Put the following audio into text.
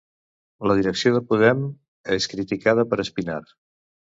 La direcció de Podem és criticada per Espinar